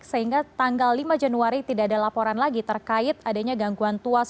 sehingga tanggal lima januari tidak ada laporan lagi terkait adanya gangguan tuas